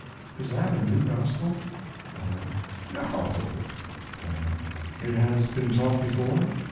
Is that a new gospel? O.M. No. Y.M. It has been taught before?